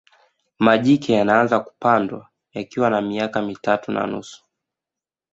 majike yanaanza kupandwa yakiwa na miaka mitatu na nusu